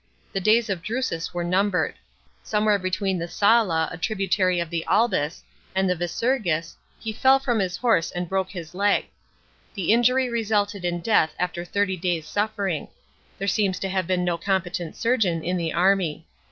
The days of Drusus were numbered. Some where between the Sala, a tributary of the Albis, and the Visurgis, he fell from his horse and broke his leg. The injury resulted in death after thirty days' suffering; there seems to have been no competent surgeon in the army.